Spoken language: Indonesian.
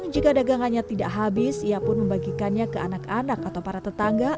jika dagangannya tidak habis ia pun membagikannya ke anak anak atau para tetangga